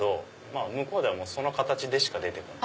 向こうではその形でしか出てこない。